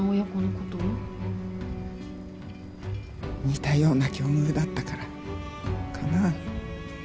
似たような境遇だったからかな。